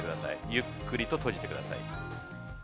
ゆっくりと閉じてください。